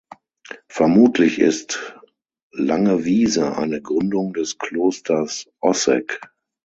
Vermutlich ist Langewiese eine Gründung des Klosters Ossegg.